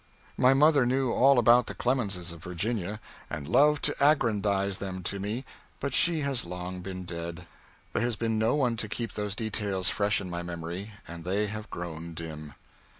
My mother knew all about the Clemenses of Virginia, and loved to aggrandize them to me, but she has long been dead. There has been no one to keep those details fresh in my memory, and they have grown dim.